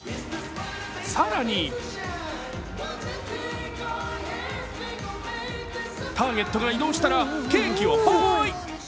更に、ターゲットが移動したら、ケーキをハーイ。